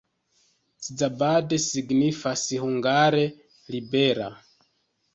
Szabad signifas hungare: libera.